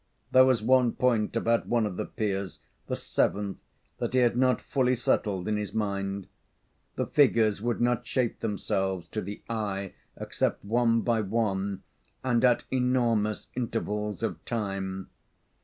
There was one point about one of the piers the seventh that he had not fully settled in his mind. The figures would not shape themselves to the eye except one by one and at enormous intervals of time.